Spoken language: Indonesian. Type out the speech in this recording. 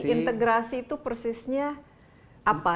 integrasi itu persisnya apa